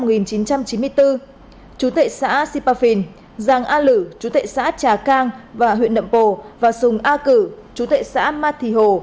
sinh năm một nghìn chín trăm chín mươi bốn chú tệ xã sipafin giàng a lử chú tệ xã trà cang và huyện nậm pồ và sùng a cử chú tệ xã ma thì hồ